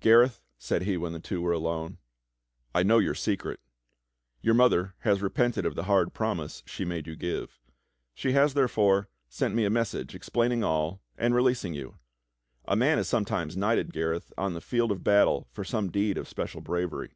"Gareth," said he when the two were alone. "I know your secret. Your mother has repented of the hard promise she made you give. She has, therefore, sent me a message explaining all and releasing you. A man is sometimes knighted, Gareth, on the field of battle for some deed of special bravery.